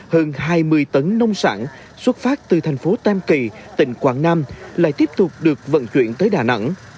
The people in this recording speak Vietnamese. hơn hai mươi tấn nông sản xuất phát từ thành phố tam kỳ tỉnh quảng nam lại tiếp tục được vận chuyển tới đà nẵng